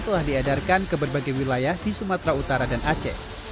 telah diedarkan ke berbagai wilayah di sumatera utara dan aceh